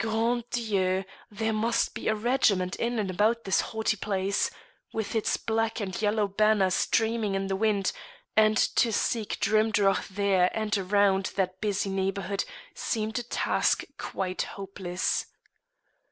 Grand Dieu! there must be a regiment in and about this haughty palace, with its black and yellow banner streaming in the wind, and to seek Drimdarroch there and round that busy neighbourhood seemed a task quite hopeless.